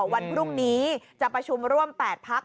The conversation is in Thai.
วันพรุ่งนี้จะประชุมร่วม๘พัก